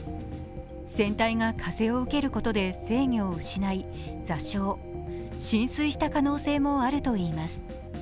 船体が風を受けることで制御を失い座礁、浸水した可能性もあるといいます。